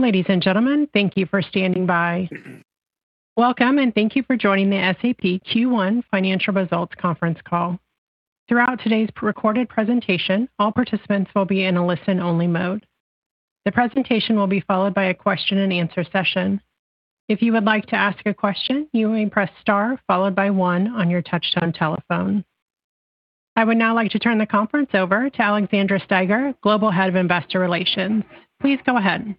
Ladies and gentlemen, thank you for standing by. Welcome, and thank you for joining the SAP Q1 Financial Results Conference Call. Throughout today's recorded presentation, all participants will be in a listen-only mode. The presentation will be followed by a question and answer session. If you would like to ask a question, you may press star followed by one on your touch-tone telephone. I would now like to turn the conference over to Alexandra Steiger, Global Head of Investor Relations. Please go ahead.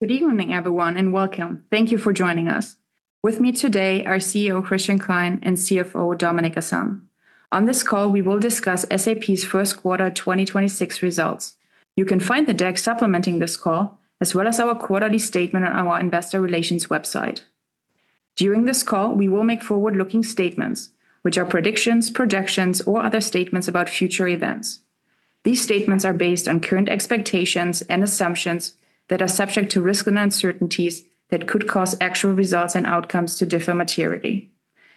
Good evening, everyone, and welcome. Thank you for joining us. With me today are CEO Christian Klein and CFO Dominik Asam. On this call, we will discuss SAP's first quarter 2026 results. You can find the deck supplementing this call, as well as our quarterly statement on our investor relations website. During this call, we will make forward-looking statements, which are predictions, projections, or other statements about future events. These statements are based on current expectations and assumptions that are subject to risks and uncertainties that could cause actual results and outcomes to differ materially.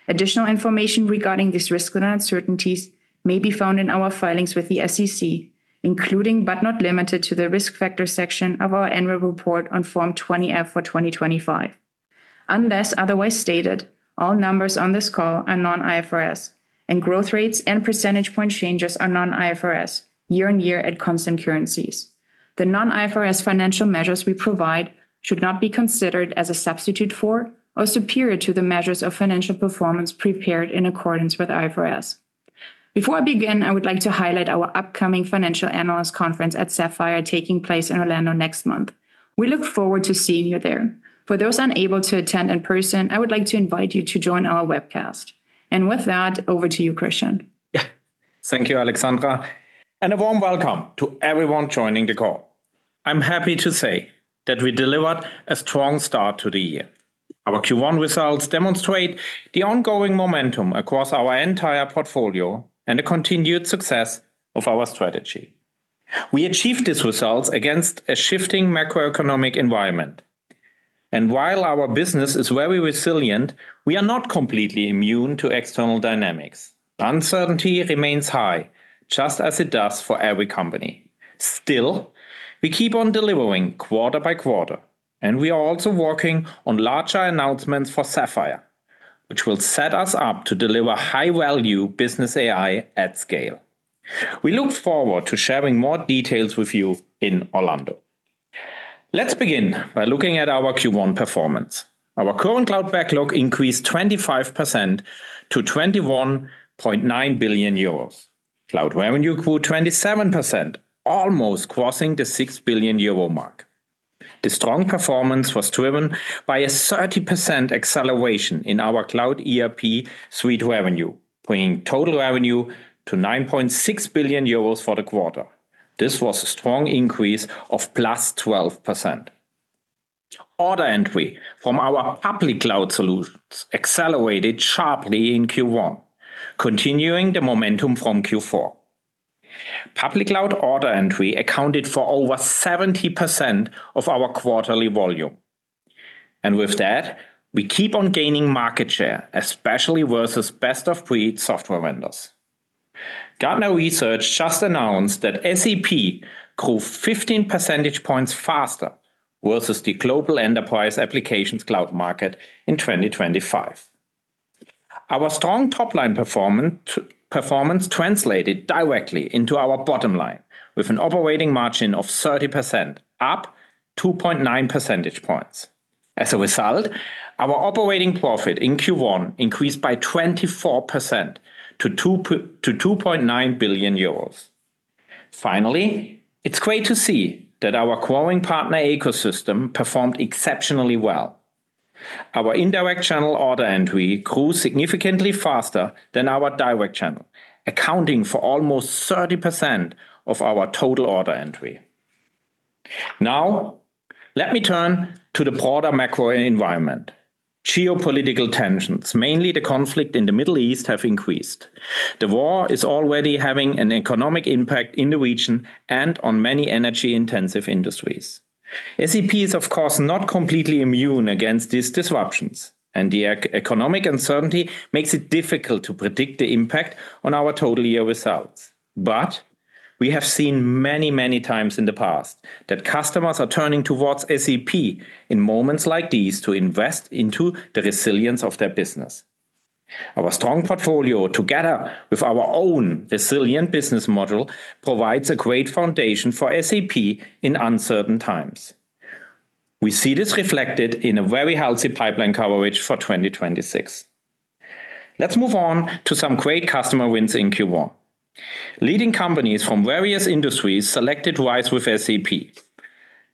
Additional information regarding these risks and uncertainties may be found in our filings with the SEC, including but not limited to the risk factor section of our annual report on Form 20-F for 2025. Unless otherwise stated, all numbers on this call are non-IFRS, and growth rates and percentage point changes are non-IFRS year-over-year at constant currencies. The non-IFRS financial measures we provide should not be considered as a substitute for or superior to the measures of financial performance prepared in accordance with IFRS. Before I begin, I would like to highlight our upcoming financial analyst conference at Sapphire taking place in Orlando next month. We look forward to seeing you there. For those unable to attend in person, I would like to invite you to join our webcast. With that, over to you, Christian. Yeah. Thank you, Alexandra, and a warm welcome to everyone joining the call. I'm happy to say that we delivered a strong start to the year. Our Q1 results demonstrate the ongoing momentum across our entire portfolio and a continued success of our strategy. We achieved these results against a shifting macroeconomic environment. While our business is very resilient, we are not completely immune to external dynamics. Uncertainty remains high, just as it does for every company. Still, we keep on delivering quarter by quarter, and we are also working on larger announcements for Sapphire, which will set us up to deliver high-value business AI at scale. We look forward to sharing more details with you in Orlando. Let's begin by looking at our Q1 performance. Our current cloud backlog increased 25% to 21.9 billion euros. Cloud revenue grew 27%, almost crossing the 6 billion euro mark. The strong performance was driven by a 30% acceleration in our cloud ERP suite revenue, bringing total revenue to 9.6 billion euros for the quarter. This was a strong increase of +12%. Order entry from our public cloud solutions accelerated sharply in Q1, continuing the momentum from Q4. Public cloud order entry accounted for over 70% of our quarterly volume. With that, we keep on gaining market share, especially versus best-of-breed software vendors. Gartner Research just announced that SAP grew 15 percentage points faster versus the global enterprise applications cloud market in 2025. Our strong top-line performance translated directly into our bottom line, with an operating margin of 30%, up 2.9 percentage points. As a result, our operating profit in Q1 increased by 24% to 2.9 billion euros. Finally, it's great to see that our growing partner ecosystem performed exceptionally well. Our indirect channel order entry grew significantly faster than our direct channel, accounting for almost 30% of our total order entry. Now, let me turn to the broader macro environment. Geopolitical tensions, mainly the conflict in the Middle East, have increased. The war is already having an economic impact in the region and on many energy-intensive industries. SAP is, of course, not completely immune against these disruptions, and the economic uncertainty makes it difficult to predict the impact on our total year results. We have seen many, many times in the past that customers are turning towards SAP in moments like these to invest into the resilience of their business. Our strong portfolio, together with our own resilient business model, provides a great foundation for SAP in uncertain times. We see this reflected in a very healthy pipeline coverage for 2026. Let's move on to some great customer wins in Q1. Leading companies from various industries selected RISE with SAP.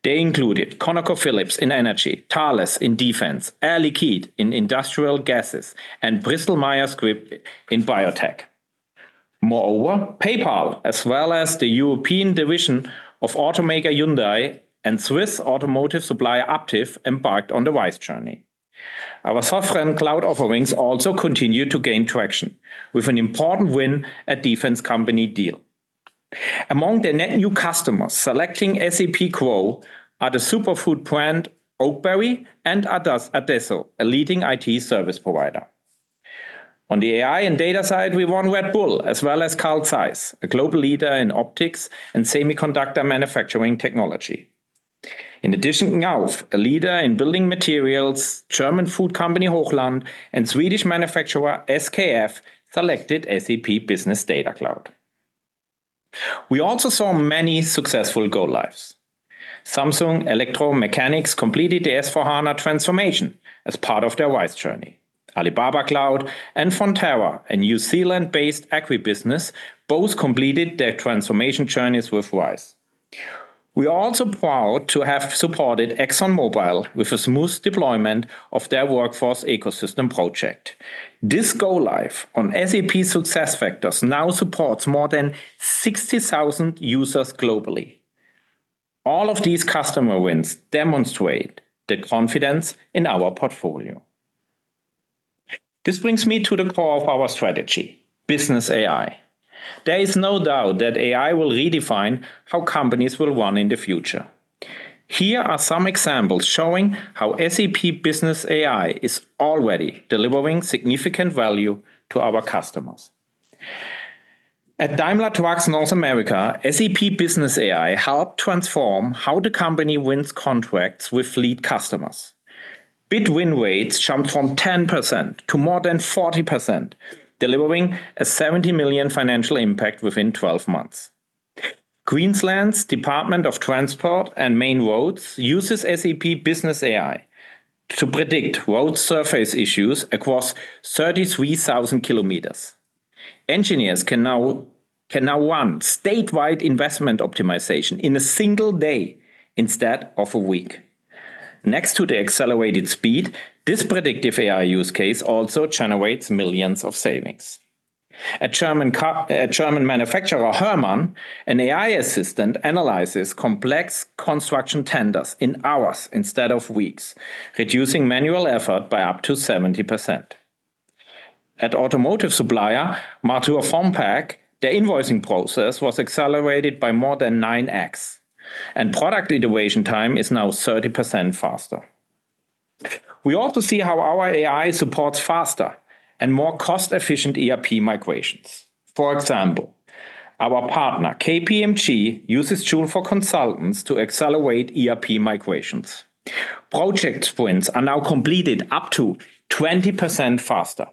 They included ConocoPhillips in energy, Thales in defense, Air Liquide in industrial gases, and Bristol Myers Squibb in biotech. Moreover, PayPal, as well as the European division of automaker Hyundai and Swiss automotive supplier Aptiv, embarked on the RISE journey. Our software and cloud offerings also continued to gain traction with an important win, a defense company deal. Among the net new customers selecting GROW with SAP are the superfood brand OAKBERRY and Adesso, a leading IT service provider. On the AI and data side, we won Red Bull as well as Carl Zeiss, a global leader in optics and semiconductor manufacturing technology. In addition, Knauf, a leader in building materials, German food company Hochland, and Swedish manufacturer SKF, selected SAP Business Data Cloud. We also saw many successful go-lives. Samsung Electro-Mechanics completed the S/4HANA transformation as part of their RISE journey. Alibaba Cloud and Fonterra, a New Zealand-based agribusiness, both completed their transformation journeys with RISE. We are also proud to have supported ExxonMobil with a smooth deployment of their workforce ecosystem project. This go live on SAP SuccessFactors now supports more than 60,000 users globally. All of these customer wins demonstrate the confidence in our portfolio. This brings me to the core of our strategy, business AI. There is no doubt that AI will redefine how companies will run in the future. Here are some examples showing how SAP Business AI is already delivering significant value to our customers. At Daimler Trucks North America, SAP Business AI helped transform how the company wins contracts with fleet customers. Bid win rates jumped from 10% to more than 40%, delivering a 70 million financial impact within 12 months. Queensland's Department of Transport and Main Roads uses SAP Business AI to predict road surface issues across 33,000 km. Engineers can now run statewide investment optimization in a single day instead of a week. Next to the accelerated speed, this predictive AI use case also generates millions in savings. At German manufacturer HÖRMANN, an AI assistant analyzes complex construction tenders in hours instead of weeks, reducing manual effort by up to 70%. At automotive supplier Mauser Formpack, their invoicing process was accelerated by more than 9x, and product iteration time is now 30% faster. We also see how our AI supports faster and more cost-efficient ERP migrations. For example, our partner KPMG uses Joule for Consultants to accelerate ERP migrations. Project sprints are now completed up to 20% faster.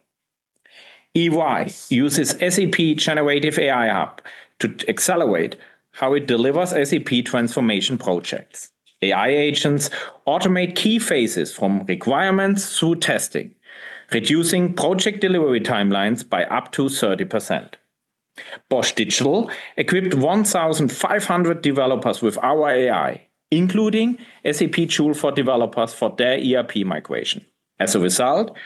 EY uses SAP generative AI app to accelerate how it delivers SAP transformation projects. AI agents automate key phases from requirements through testing, reducing project delivery timelines by up to 30%. Bosch Digital equipped 1,500 developers with our AI, including Joule for Developers for their ERP migration. As a result,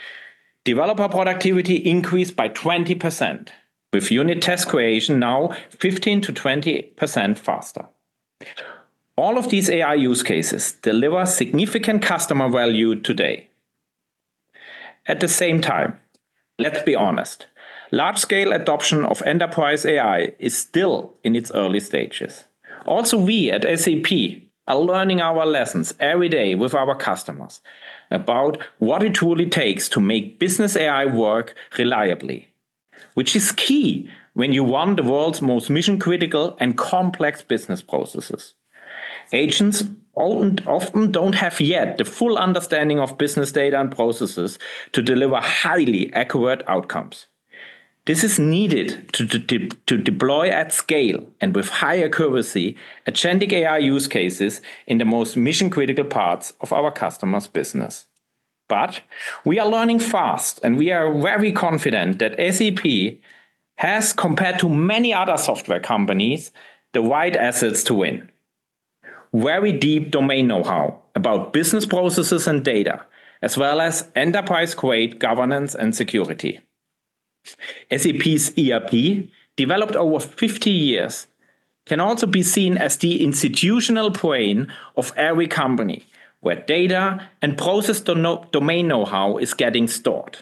developer productivity increased by 20%, with unit test creation now 15%-20% faster. All of these AI use cases deliver significant customer value today. At the same time, let's be honest, large-scale adoption of enterprise AI is still in its early stages. Also, we at SAP are learning our lessons every day with our customers about what it really takes to make business AI work reliably, which is key when you run the world's most mission-critical and complex business processes. Agents often don't have yet the full understanding of business data and processes to deliver highly accurate outcomes. This is needed to deploy at scale and with high accuracy, agentic AI use cases in the most mission-critical parts of our customers' business. We are learning fast, and we are very confident that SAP has, compared to many other software companies, the right assets to win, very deep domain know-how about business processes and data, as well as enterprise-grade governance and security. SAP's ERP, developed over 50 years, can also be seen as the institutional brain of every company, where data and process domain know-how is getting stored.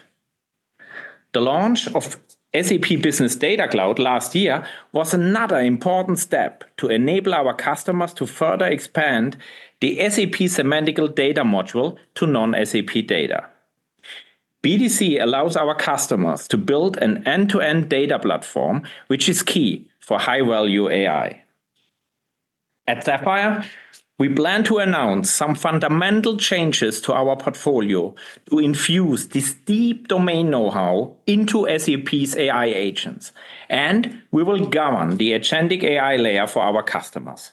The launch of SAP Business Data Cloud last year was another important step to enable our customers to further expand the SAP semantic data model to non-SAP data. BDC allows our customers to build an end-to-end data platform, which is key for high-value AI. At Sapphire, we plan to announce some fundamental changes to our portfolio to infuse this deep domain know-how into SAP's AI agents, and we will govern the agentic AI layer for our customers.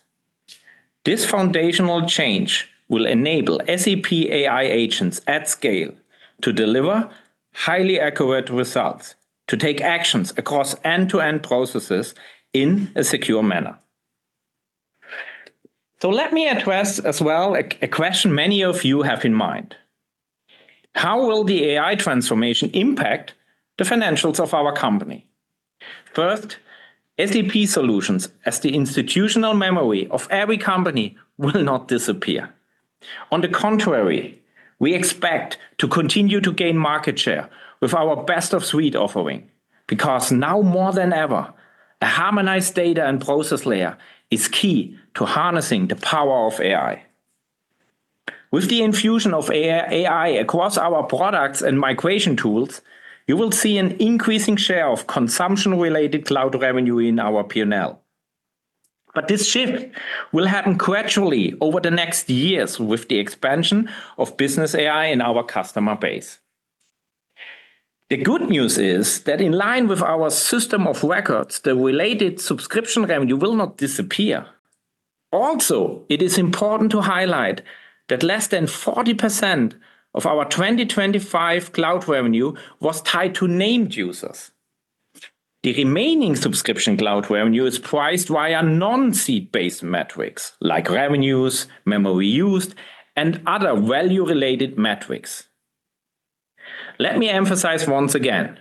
This foundational change will enable SAP AI agents at scale to deliver highly accurate results, to take actions across end-to-end processes in a secure manner. Let me address as well a question many of you have in mind. How will the AI transformation impact the financials of our company? First, SAP solutions as the institutional memory of every company will not disappear. On the contrary, we expect to continue to gain market share with our best-of-suite offering, because now more than ever, a harmonized data and process layer is key to harnessing the power of AI. With the infusion of AI across our products and migration tools, you will see an increasing share of consumption-related cloud revenue in our P&L. This shift will happen gradually over the next years with the expansion of business AI in our customer base. The good news is that in line with our system of records, the related subscription revenue will not disappear. Also, it is important to highlight that less than 40% of our 2025 cloud revenue was tied to named users. The remaining subscription cloud revenue is priced via non-seat-based metrics like revenues, memory used, and other value-related metrics. Let me emphasize once again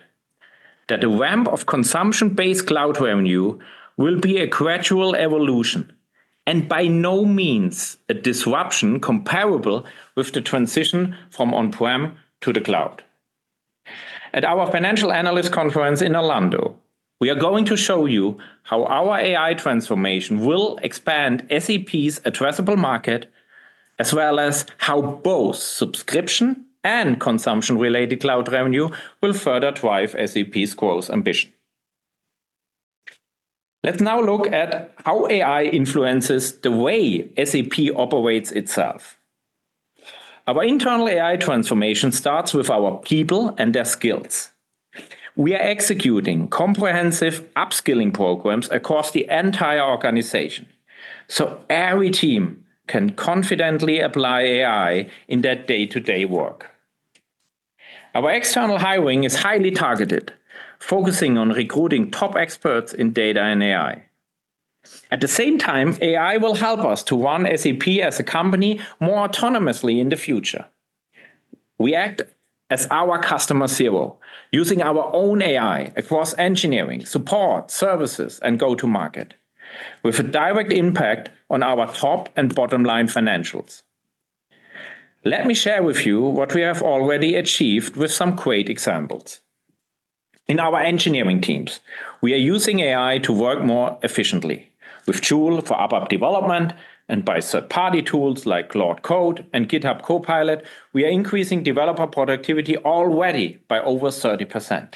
that the ramp of consumption-based cloud revenue will be a gradual evolution and by no means a disruption comparable with the transition from on-prem to the cloud. At our financial analyst conference in Orlando, we are going to show you how our AI transformation will expand SAP's addressable market, as well as how both subscription and consumption-related cloud revenue will further drive SAP's growth ambition. Let's now look at how AI influences the way SAP operates itself. Our internal AI transformation starts with our people and their skills. We are executing comprehensive upskilling programs across the entire organization so every team can confidently apply AI in their day-to-day work. Our external hiring is highly targeted, focusing on recruiting top experts in data and AI. At the same time, AI will help us to run SAP as a company more autonomously in the future. We act as our Customer Zero, using our own AI across engineering, support, services, and go-to-market, with a direct impact on our top and bottom-line financials. Let me share with you what we have already achieved with some great examples. In our engineering teams, we are using AI to work more efficiently. With Joule for ABAP development and by third-party tools like Claude Code and GitHub Copilot, we are increasing developer productivity already by over 30%.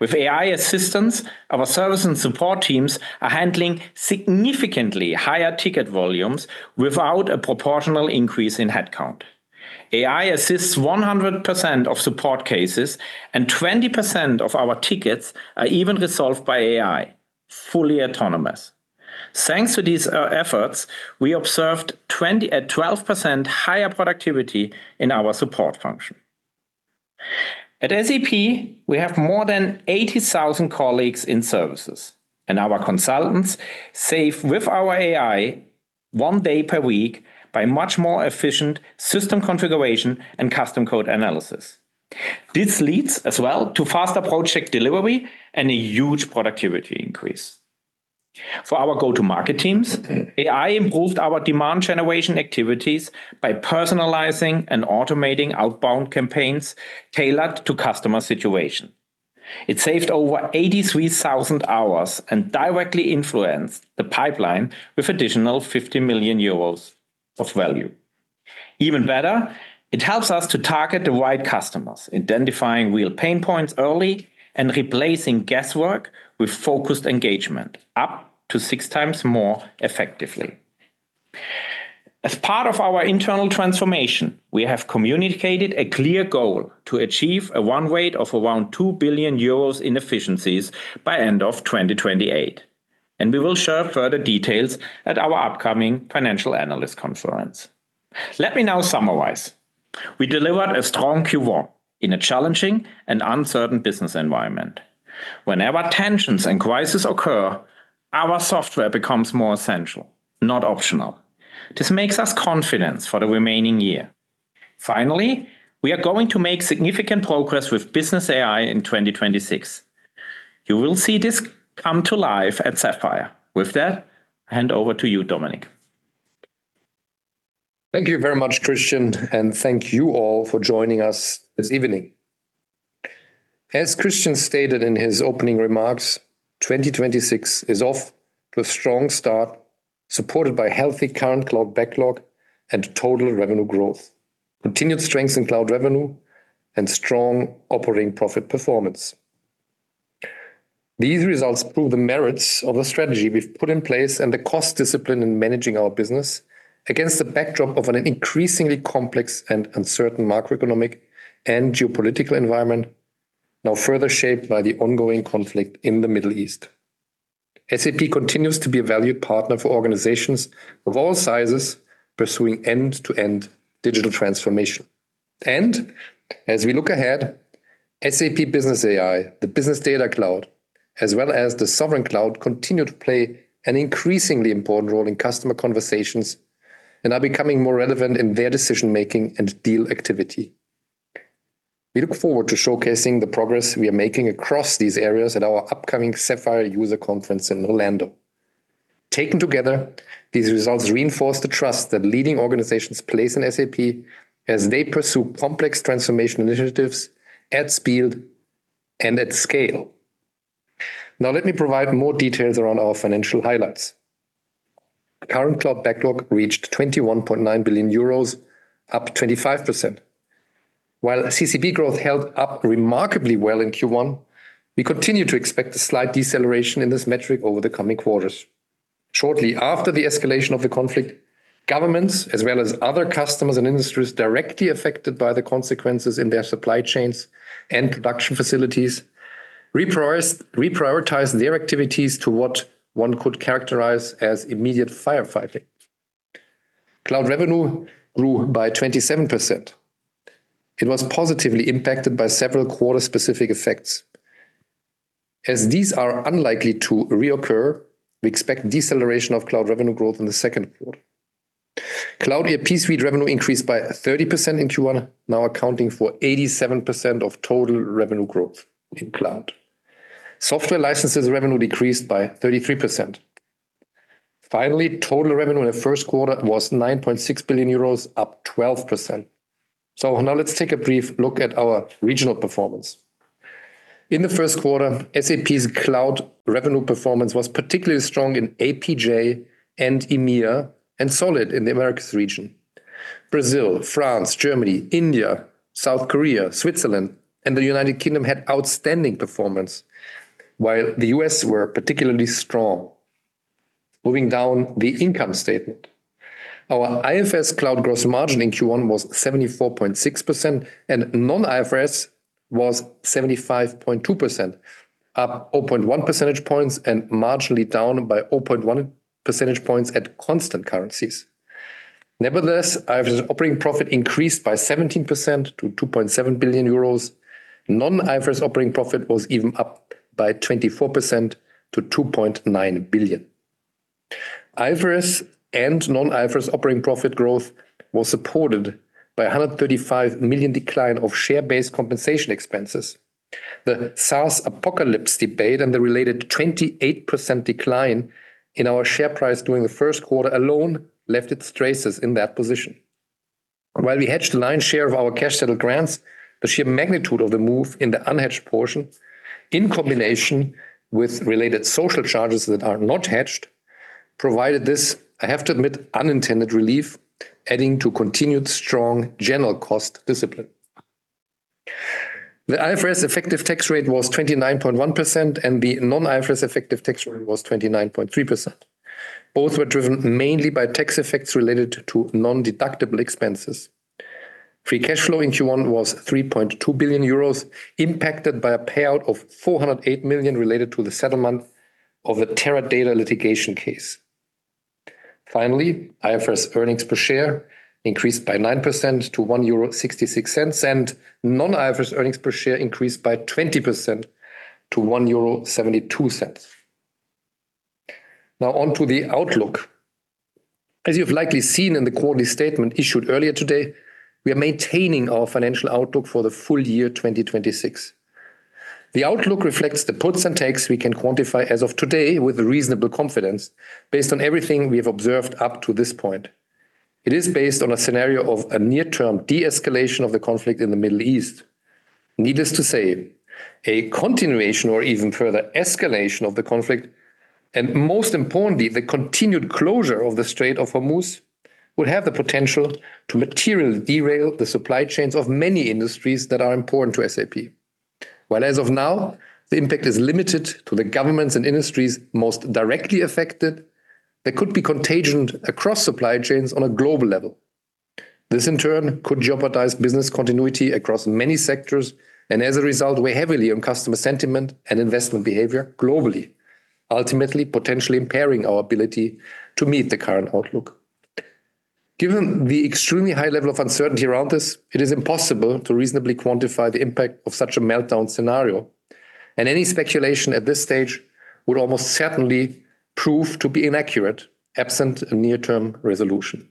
With AI assistance, our service and support teams are handling significantly higher ticket volumes without a proportional increase in headcount. AI assists 100% of support cases, and 20% of our tickets are even resolved by AI, fully autonomous. Thanks to these efforts, we observed a 12% higher productivity in our support function. At SAP, we have more than 80,000 colleagues in services, and our consultants save with our AI one day per week by much more efficient system configuration and custom code analysis. This leads as well to faster project delivery and a huge productivity increase. For our go-to-market teams, AI improved our demand generation activities by personalizing and automating outbound campaigns tailored to customer situation. It saved over 83,000 hours and directly influenced the pipeline with additional 50 million euros of value. Even better, it helps us to target the right customers, identifying real pain points early and replacing guesswork with focused engagement up to six times more effectively. As part of our internal transformation, we have communicated a clear goal to achieve a one-way of around 2 billion euros in efficiencies by end of 2028, and we will share further details at our upcoming financial analyst conference. Let me now summarize. We delivered a strong Q1 in a challenging and uncertain business environment. Whenever tensions and crises occur, our software becomes more essential, not optional. This makes us confident for the remainder of the year. Finally, we are going to make significant progress with business AI in 2026. You will see this come to life at Sapphire. With that, I hand over to you, Dominik. Thank you very much, Christian, and thank you all for joining us this evening. As Christian stated in his opening remarks, 2026 is off to a strong start, supported by healthy current cloud backlog and total revenue growth, continued strength in cloud revenue, and strong operating profit performance. These results prove the merits of the strategy we've put in place and the cost discipline in managing our business against the backdrop of an increasingly complex and uncertain macroeconomic and geopolitical environment, now further shaped by the ongoing conflict in the Middle East. SAP continues to be a valued partner for organizations of all sizes, pursuing end-to-end digital transformation. As we look ahead, SAP Business AI, the SAP Business Data Cloud, as well as the SAP Sovereign Cloud, continue to play an increasingly important role in customer conversations and are becoming more relevant in their decision-making and deal activity. We look forward to showcasing the progress we are making across these areas at our upcoming SAP Sapphire in Orlando. Taken together, these results reinforce the trust that leading organizations place in SAP as they pursue complex transformation initiatives at speed and at scale. Now let me provide more details around our financial highlights. Current cloud backlog reached 21.9 billion euros, up 25%. While CCB growth held up remarkably well in Q1, we continue to expect a slight deceleration in this metric over the coming quarters. Shortly after the escalation of the conflict, governments, as well as other customers and industries directly affected by the consequences in their supply chains and production facilities, reprioritized their activities to what one could characterize as immediate firefighting. Cloud revenue grew by 27%. It was positively impacted by several quarter-specific effects. As these are unlikely to reoccur, we expect deceleration of cloud revenue growth in the second quarter. Cloud ERP suite revenue increased by 30% in Q1, now accounting for 87% of total revenue growth in cloud. Software licenses revenue decreased by 33%. Finally, total revenue in the first quarter was 9.6 billion euros, up 12%. Now let's take a brief look at our regional performance. In the first quarter, SAP's cloud revenue performance was particularly strong in APJ and EMEA, and solid in the Americas region. Brazil, France, Germany, India, South Korea, Switzerland, and the United Kingdom had outstanding performance, while the U.S. were particularly strong. Moving down the income statement, our IFRS cloud gross margin in Q1 was 74.6%, and non-IFRS was 75.2%, up 0.1 percentage points and marginally down by 0.1 percentage points at constant currencies. Nevertheless, IFRS operating profit increased by 17% to 2.7 billion euros. Non-IFRS operating profit was even up by 24% to 2.9 billion. IFRS and non-IFRS operating profit growth was supported by 135 million decline of share-based compensation expenses. The SaaS apocalypse debate and the related 28% decline in our share price during the first quarter alone left its traces in that position. While we hedged the lion's share of our cash settled grants, the sheer magnitude of the move in the unhedged portion, in combination with related social charges that are not hedged, provided this, I have to admit, unintended relief, adding to continued strong general cost discipline. The IFRS effective tax rate was 29.1%, and the non-IFRS effective tax rate was 29.3%. Both were driven mainly by tax effects related to non-deductible expenses. Free cash flow in Q1 was 3.2 billion euros, impacted by a payout of 408 million related to the settlement of a Teradata litigation case. Finally, IFRS earnings per share increased by 9% to 1.66 euro, and non-IFRS earnings per share increased by 20% to 1.72 euro. Now on to the outlook. As you've likely seen in the quarterly statement issued earlier today, we are maintaining our financial outlook for the full year 2026. The outlook reflects the puts and takes we can quantify as of today with a reasonable confidence based on everything we have observed up to this point. It is based on a scenario of a near-term de-escalation of the conflict in the Middle East. Needless to say, a continuation or even further escalation of the conflict, and most importantly, the continued closure of the Strait of Hormuz would have the potential to materially derail the supply chains of many industries that are important to SAP. While as of now, the impact is limited to the governments and industries most directly affected, there could be contagion across supply chains on a global level. This in turn could jeopardize business continuity across many sectors, and as a result, weigh heavily on customer sentiment and investment behavior globally, ultimately potentially impairing our ability to meet the current outlook. Given the extremely high level of uncertainty around this, it is impossible to reasonably quantify the impact of such a meltdown scenario, and any speculation at this stage would almost certainly prove to be inaccurate, absent a near-term resolution.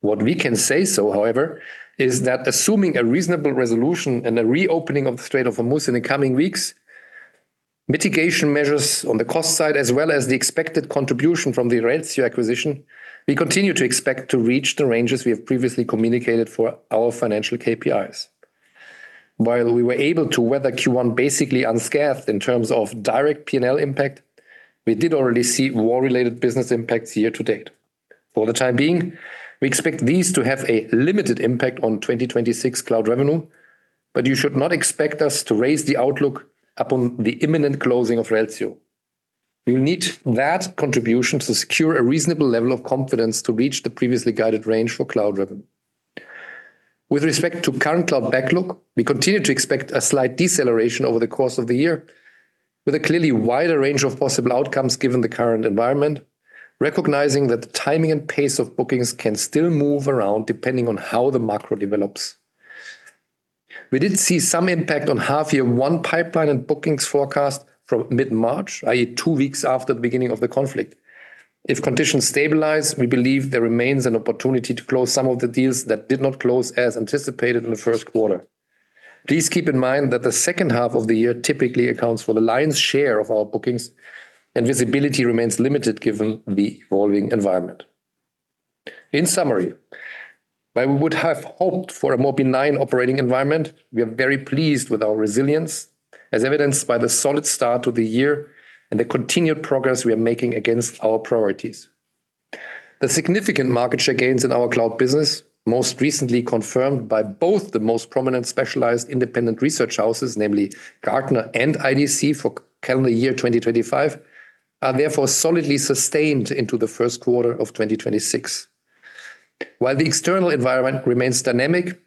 What we can say, however, is that assuming a reasonable resolution and a reopening of the Strait of Hormuz in the coming weeks, mitigation measures on the cost side as well as the expected contribution from the Reltio acquisition, we continue to expect to reach the ranges we have previously communicated for our financial KPIs. While we were able to weather Q1 basically unscathed in terms of direct P&L impact, we did already see war-related business impacts year to date. For the time being, we expect these to have a limited impact on 2026 cloud revenue, but you should not expect us to raise the outlook upon the imminent closing of Reltio. We will need that contribution to secure a reasonable level of confidence to reach the previously guided range for cloud revenue. With respect to current cloud backlog, we continue to expect a slight deceleration over the course of the year with a clearly wider range of possible outcomes given the current environment, recognizing that the timing and pace of bookings can still move around depending on how the macro develops. We did see some impact on H1 pipeline and bookings forecast from mid-March, i.e., 2 weeks after the beginning of the conflict. If conditions stabilize, we believe there remains an opportunity to close some of the deals that did not close as anticipated in the first quarter. Please keep in mind that the second half of the year typically accounts for the lion's share of our bookings, and visibility remains limited given the evolving environment. In summary, while we would have hoped for a more benign operating environment, we are very pleased with our resilience, as evidenced by the solid start to the year and the continued progress we are making against our priorities. The significant market share gains in our cloud business, most recently confirmed by both the most prominent specialized independent research houses, namely Gartner and IDC for calendar year 2025, are therefore solidly sustained into the first quarter of 2026. While the external environment remains dynamic,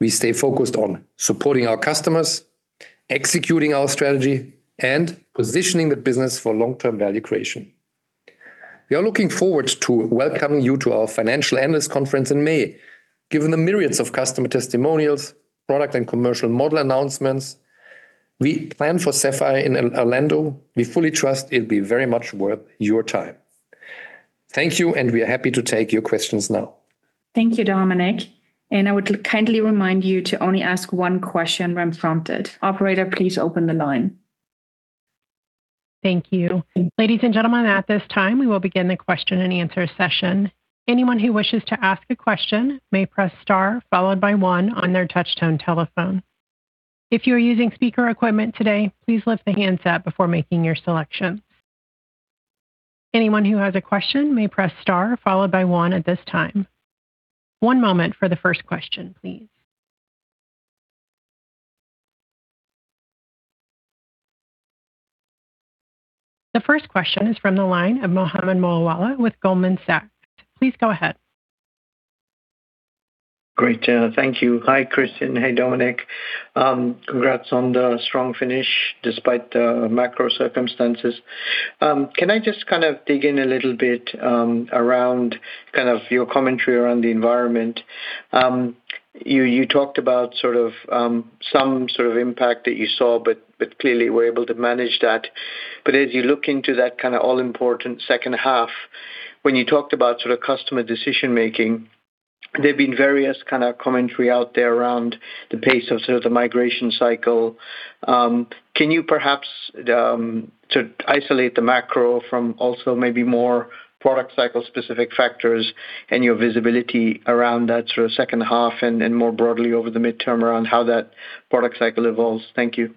we stay focused on supporting our customers, executing our strategy, and positioning the business for long-term value creation. We are looking forward to welcoming you to our financial analyst conference in May. Given the myriads of customer testimonials, product and commercial model announcements, we plan for Sapphire in Orlando. We fully trust it'll be very much worth your time. Thank you, and we are happy to take your questions now. Thank you, Dominik, and I would kindly remind you to only ask one question when prompted. Operator, please open the line. Thank you. Ladies and gentlemen, at this time we will begin the question and answer session. Anyone who wishes to ask a question may press star followed by one on their touch-tone telephone. If you are using speaker equipment today, please lift the handset before making your selection. Anyone who has a question may press star followed by one at this time. One moment for the first question, please. The first question is from the line of Mohammed Moawalla with Goldman Sachs. Please go ahead. Great. Thank you. Hi, Christian. Hey, Dominik. Congrats on the strong finish despite the macro circumstances. Can I just kind of dig in a little bit around your commentary around the environment? You talked about some sort of impact that you saw, but clearly were able to manage that, but as you look into that kind of all-important second half, when you talked about sort of customer decision making, there've been various kind of commentary out there around the pace of sort of the migration cycle. Can you perhaps, to isolate the macro from also maybe more product cycle specific factors and your visibility around that sort of second half and more broadly over the midterm around how that product cycle evolves? Thank you.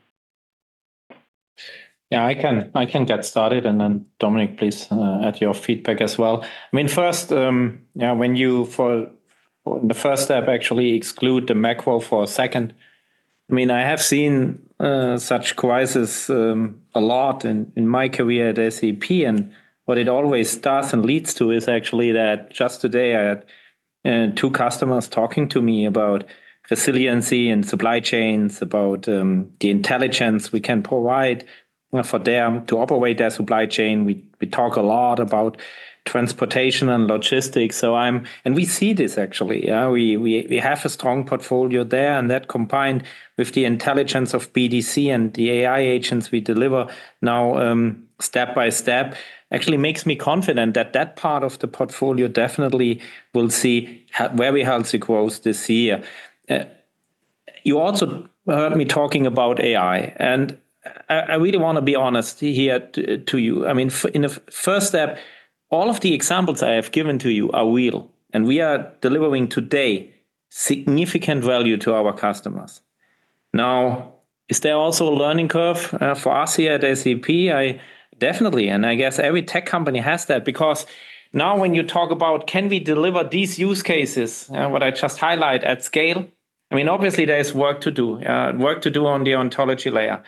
Yeah, I can get started, and then Dominik, please add your feedback as well. First, when you, for the first step, actually exclude the macro for a second. I have seen such crises a lot in my career at SAP, and what it always does and leads to is actually that just today I had two customers talking to me about resiliency and supply chains, about the intelligence we can provide for them to operate their supply chain. We talk a lot about transportation and logistics. We see this actually. We have a strong portfolio there, and that combined with the intelligence of BDC and the AI agents we deliver now, step by step, actually makes me confident that that part of the portfolio definitely will see very healthy growth this year. You also heard me talking about AI, and I really want to be honest here to you. In the first step, all of the examples I have given to you are real, and we are delivering today significant value to our customers. Now, is there also a learning curve for us here at SAP? Definitely, and I guess every tech company has that because now when you talk about can we deliver these use cases, what I just highlight at scale, obviously there is work to do, work to do on the ontology layer.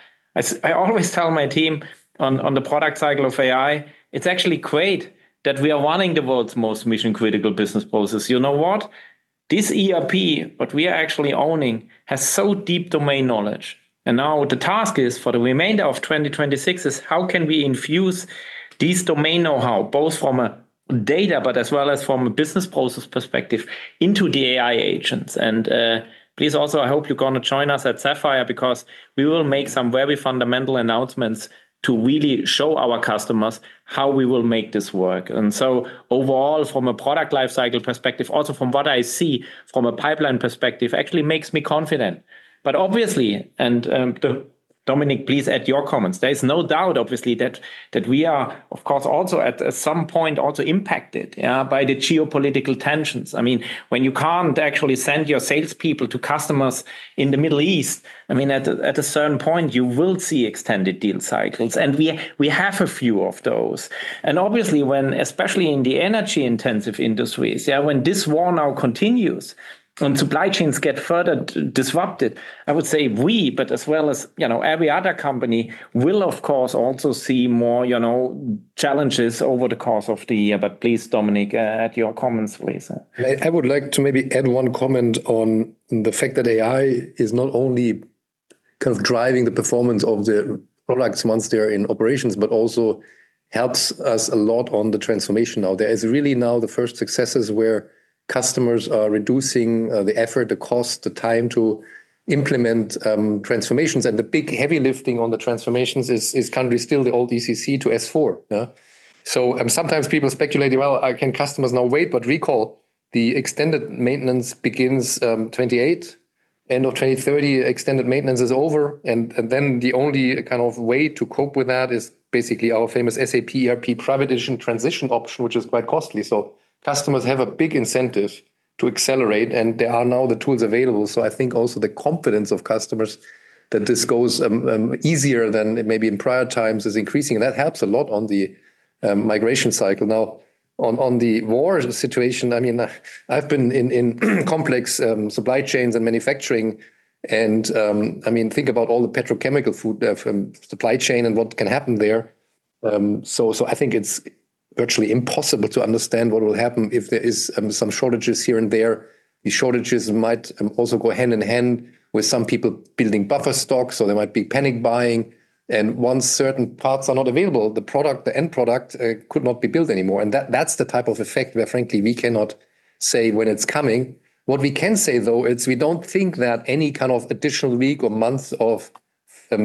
I always tell my team on the product cycle of AI, it's actually great that we are running the world's most mission-critical business process. You know what? This ERP, what we are actually owning, has so deep domain knowledge, and now the task is for the remainder of 2026 is how can we infuse this domain knowhow, both from a data but as well as from a business process perspective into the AI agents. Please also, I hope you're going to join us at Sapphire because we will make some very fundamental announcements to really show our customers how we will make this work. Overall, from a product life cycle perspective, also from what I see from a pipeline perspective, actually makes me confident. Obviously, and Dominik, please add your comments. There is no doubt, obviously, that we are, of course, also at some point also impacted by the geopolitical tensions. When you can't actually send your salespeople to customers in the Middle East, at a certain point you will see extended deal cycles, and we have a few of those. Obviously, when, especially in the energy intensive industries, when this war now continues and supply chains get further disrupted, I would say we, but as well as every other company, will, of course, also see more challenges over the course of the year. Please, Dominik, add your comments, please. I would like to maybe add one comment on the fact that AI is not only kind of driving the performance of the products once they're in operations, but also helps us a lot on the transformation now. There is really now the first successes where customers are reducing the effort, the cost, the time to implement transformations, and the big heavy lifting on the transformations is currently still the old ECC to S/4HANA. So sometimes people speculate, "Well, can customers now wait?" Recall The extended maintenance begins in 2028. At the end of 2030, extended maintenance is over, and then the only kind of way to cope with that is basically our famous SAP ERP, private edition, transition option, which is quite costly. Customers have a big incentive to accelerate, and there are now the tools available. I think also the confidence of customers that this goes easier than maybe in prior times is increasing, and that helps a lot on the migration cycle. Now on the war situation, I've been in complex supply chains and manufacturing, and think about all the petrochemical, food, pharma supply chain and what can happen there. I think it's virtually impossible to understand what will happen if there is some shortages here and there. The shortages might also go hand in hand with some people building buffer stocks, or there might be panic buying. Once certain parts are not available, the end product could not be built anymore. That's the type of effect where frankly, we cannot say when it's coming. What we can say, though, it's we don't think that any kind of additional week or month of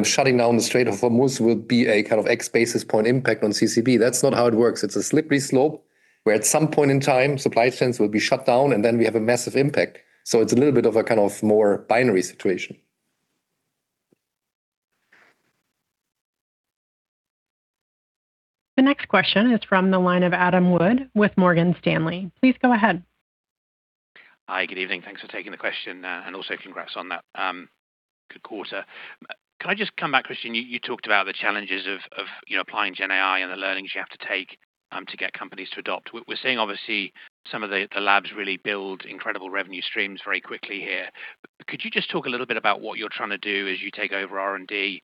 shutting down the Strait of Hormuz will be a kind of X basis point impact on CCP. That's not how it works. It's a slippery slope where at some point in time, supply chains will be shut down, and then we have a massive impact. It's a little bit of a kind of more binary situation. The next question is from the line of Adam Wood with Morgan Stanley. Please go ahead. Hi. Good evening. Thanks for taking the question, and also congrats on that good quarter. Can I just come back, Christian? You talked about the challenges of applying GenAI and the learnings you have to take to get companies to adopt. We're seeing obviously some of the labs really build incredible revenue streams very quickly here. Could you just talk a little bit about what you're trying to do as you take over R&D?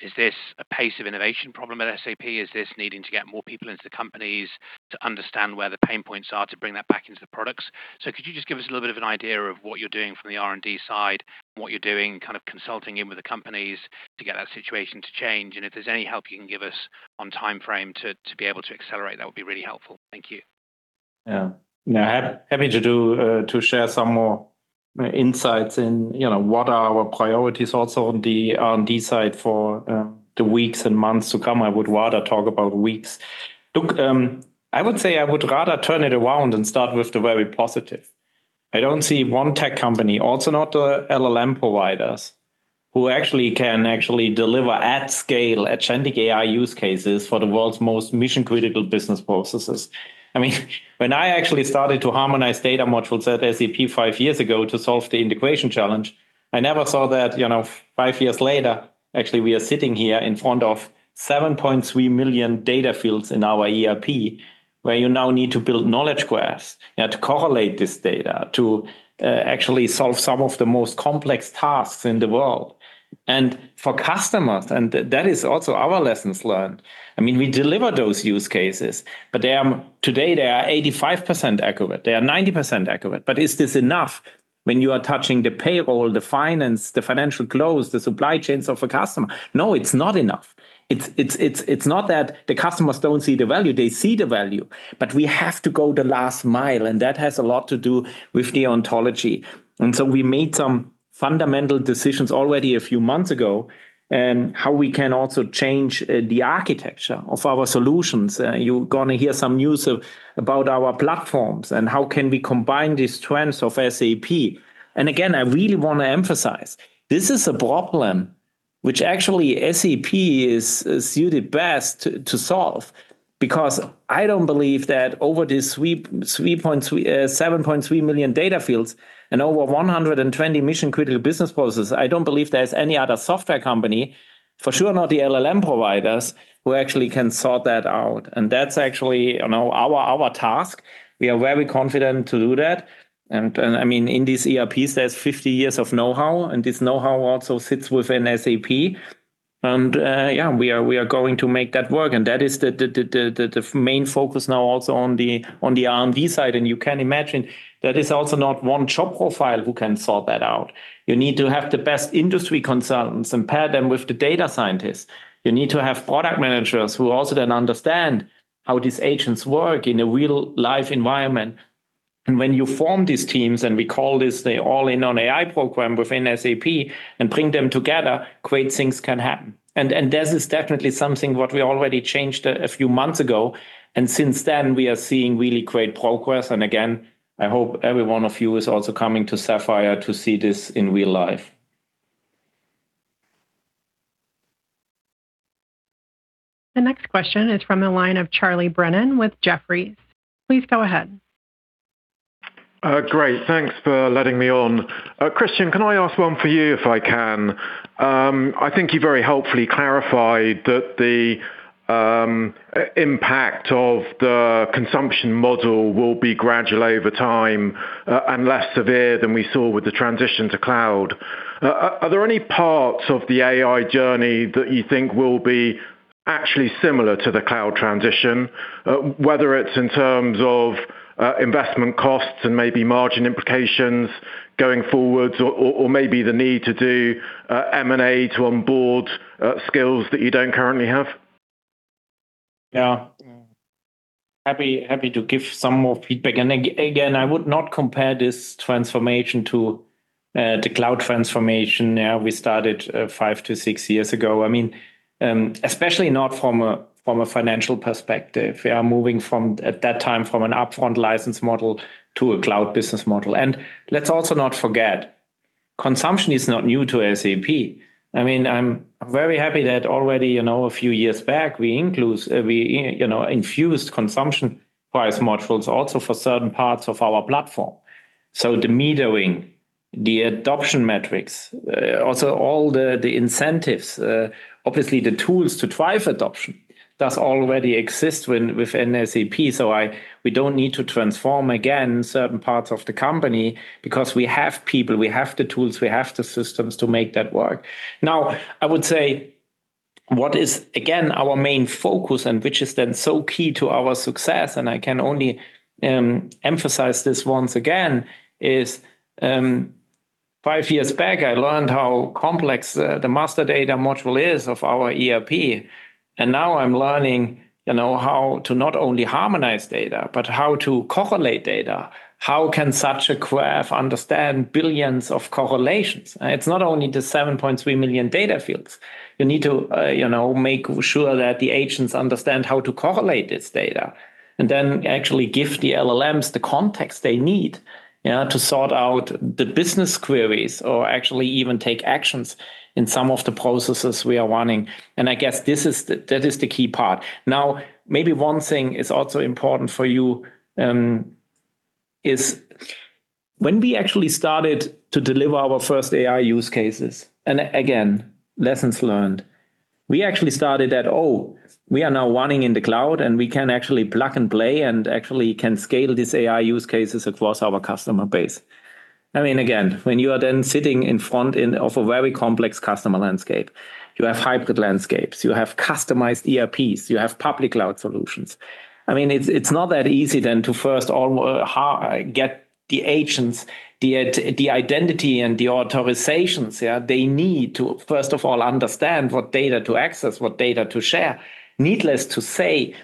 Is this a pace of innovation problem at SAP? Is this needing to get more people into the companies to understand where the pain points are to bring that back into the products? Could you just give us a little bit of an idea of what you're doing from the R&D side and what you're doing kind of consulting in with the companies to get that situation to change, and if there's any help you can give us on timeframe to be able to accelerate, that would be really helpful. Thank you. Yeah. Happy to share some more insights in what are our priorities also on the R&D side for the weeks and months to come. I would rather talk about weeks. Look, I would say I would rather turn it around and start with the very positive. I don't see one tech company, also not the LLM providers, who actually can actually deliver at scale, at generative AI use cases for the world's most mission-critical business processes. When I actually started to harmonize data modules at SAP five years ago to solve the integration challenge, I never saw that five years later, actually, we are sitting here in front of 7.3 million data fields in our ERP, where you now need to build knowledge graphs to correlate this data to actually solve some of the most complex tasks in the world. For customers, and that is also our lessons learned. We deliver those use cases, but today they are 85% accurate, they are 90% accurate. Is this enough when you are touching the payroll, the finance, the financial close, the supply chains of a customer? No, it's not enough. It's not that the customers don't see the value. They see the value, but we have to go the last mile, and that has a lot to do with the ontology. We made some fundamental decisions already a few months ago on how we can also change the architecture of our solutions. You're going to hear some news about our platforms and how can we combine these trends of SAP. Again, I really want to emphasize, this is a problem which actually SAP is suited best to solve, because I don't believe that over these 7.3 million data fields and over 120 mission-critical business processes, I don't believe there's any other software company, for sure not the LLM providers, who actually can sort that out, and that's actually our task. We are very confident to do that. In these ERPs, there's 50 years of know-how, and this know-how also sits within SAP. Yeah, we are going to make that work, and that is the main focus now also on the R&D side. You can imagine there is also not one job profile who can sort that out. You need to have the best industry consultants and pair them with the data scientists. You need to have product managers who also then understand how these agents work in a real-life environment. When you form these teams, and we call this the All-in on AI program within SAP, and bring them together, great things can happen. This is definitely something what we already changed a few months ago, and since then we are seeing really great progress. Again, I hope every one of you is also coming to SAP Sapphire to see this in real life. The next question is from the line of Charlie Brennan with Jefferies. Please go ahead. Great. Thanks for letting me on. Christian, can I ask one for you if I can? I think you very helpfully clarified that the impact of the consumption model will be gradual over time and less severe than we saw with the transition to cloud. Are there any parts of the AI journey that you think will be actually similar to the cloud transition, whether it's in terms of investment costs and maybe margin implications going forwards or maybe the need to do M&A to onboard skills that you don't currently have? Yeah. Happy to give some more feedback. Again, I would not compare this transformation to the cloud transformation we started five to six years ago. Especially not from a financial perspective. We are moving from, at that time, an upfront license model to a cloud business model. Let's also not forget, consumption is not new to SAP. I'm very happy that already, a few years back, we infused consumption price modules also for certain parts of our platform. The metering, the adoption metrics, also all the incentives, obviously the tools to drive adoption does already exist within SAP. We don't need to transform again certain parts of the company because we have people, we have the tools, we have the systems to make that work. Now, I would say what is, again, our main focus and which is then so key to our success, and I can only emphasize this once again, is five years back, I learned how complex the master data module is of our ERP, and now I'm learning how to not only harmonize data, but how to correlate data. How can such a graph understand billions of correlations? It's not only the 7.3 million data fields. You need to make sure that the agents understand how to correlate this data, and then actually give the LLMs the context they need to sort out the business queries or actually even take actions in some of the processes we are running. I guess that is the key part. Now, maybe one thing is also important for you, is when we actually started to deliver our first AI use cases, and again, lessons learned. We actually started at, oh, we are now running in the cloud, and we can actually plug and play and actually can scale these AI use cases across our customer base. When you are then sitting in front of a very complex customer landscape, you have hybrid landscapes, you have customized ERPs, you have public cloud solutions. It's not that easy then to first get the agents the identity and the authorizations. They need to, first of all, understand what data to access, what data to share. Needless to say,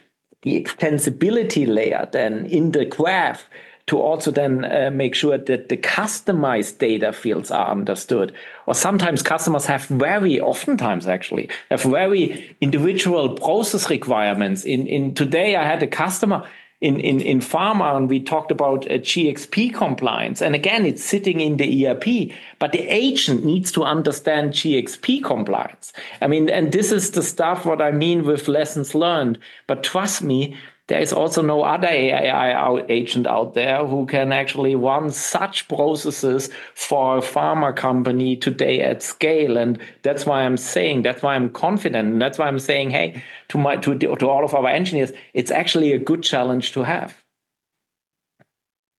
the extensibility layer then in the graph to also then make sure that the customized data fields are understood. Or sometimes customers have very, oftentimes actually, have very individual process requirements. Today I had a customer in pharma, and we talked about GxP compliance. Again, it's sitting in the ERP, but the agent needs to understand GxP compliance. This is the stuff what I mean with lessons learned. Trust me, there is also no other AI agent out there who can actually run such processes for a pharma company today at scale, and that's why I'm saying, that's why I'm confident, and that's why I'm saying, hey, to all of our engineers, it's actually a good challenge to have.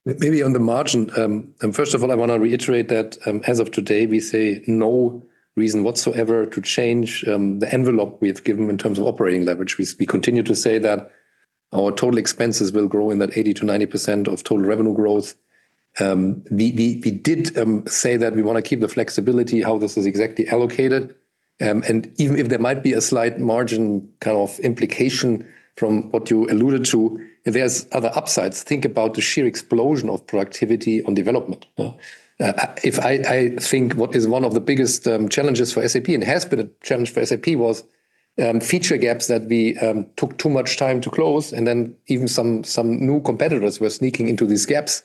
Maybe on the margin, first of all, I want to reiterate that, as of today, we see no reason whatsoever to change the envelope we have given in terms of operating leverage. We continue to say that our total expenses will grow in that 80%-90% of total revenue growth. We did say that we want to keep the flexibility how this is exactly allocated, and even if there might be a slight margin kind of implication from what you alluded to, there's other upsides. Think about the sheer explosion of productivity on development. I think what is one of the biggest challenges for SAP, and has been a challenge for SAP, was feature gaps that we took too much time to close, and then even some new competitors were sneaking into these gaps,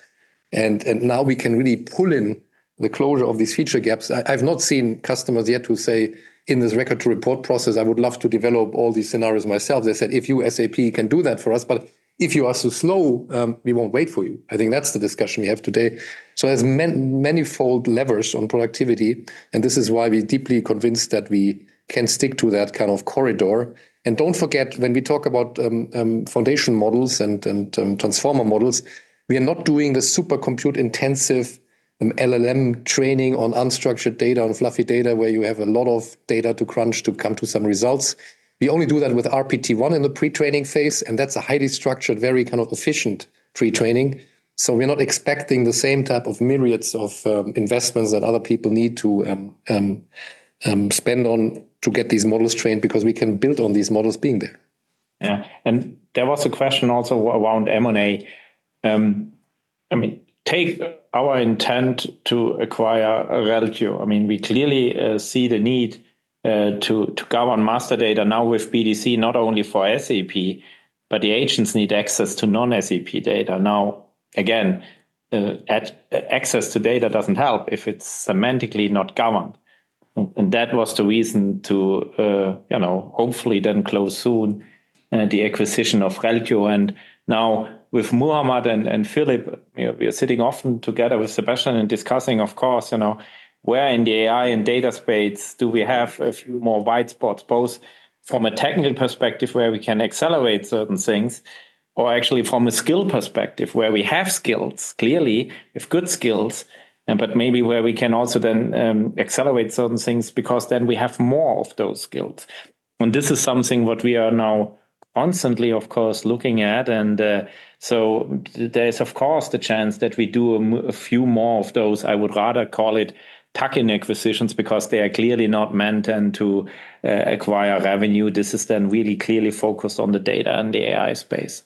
and now we can really pull in the closure of these feature gaps. I've not seen customers yet who say, in this record-to-report process, I would love to develop all these scenarios myself. They said, "If you, SAP, can do that for us, but if you are so slow, we won't wait for you." I think that's the discussion we have today. There's manifold levers on productivity, and this is why we're deeply convinced that we can stick to that kind of corridor. Don't forget, when we talk about Foundation Models and Transformer Models, we are not doing the super compute intensive LLM training on unstructured data, on fluffy data, where you have a lot of data to crunch to come to some results. We only do that with RPT-1 in the pre-training phase, and that's a highly structured, very efficient pre-training. We're not expecting the same type of myriads of investments that other people need to spend on to get these models trained, because we can build on these models being there. Yeah. There was a question also around M&A. Take our intent to acquire Reltio. We clearly see the need to govern master data now with BDC, not only for SAP, but the agents need access to non-SAP data. Now, again, access to data doesn't help if it's semantically not governed. That was the reason to hopefully then close soon the acquisition of Reltio. Now with Muhammad and Philipp, we are sitting often together with Sebastian and discussing, of course, where in the AI and data space do we have a few more white spots, both from a technical perspective where we can accelerate certain things, or actually from a skill perspective where we have skills, clearly, with good skills, but maybe where we can also then accelerate certain things because then we have more of those skills. This is something what we are now constantly, of course, looking at. There is, of course, the chance that we do a few more of those, I would rather call it tuck-in acquisitions because they are clearly not meant then to acquire revenue. This is then really clearly focused on the data and the AI space.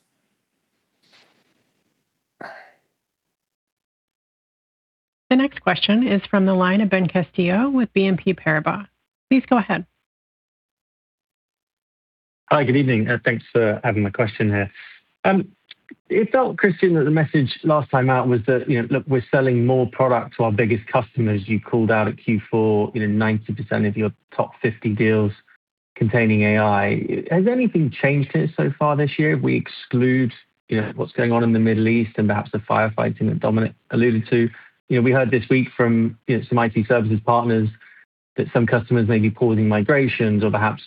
The next question is from the line of Ben Castillo-Bernaus with BNP Paribas. Please go ahead. Hi, good evening, and thanks for having my question here. It felt, Christian, that the message last time out was that, look, we're selling more product to our biggest customers. You called out at Q4, 90% of your top 50 deals containing AI. Has anything changed here so far this year? If we exclude what's going on in the Middle East and perhaps the firefighting that Dominik alluded to. We heard this week from some IT services partners that some customers may be pausing migrations or perhaps